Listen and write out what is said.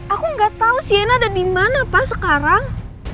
aku ga tau sienna ada dimana pa sekarang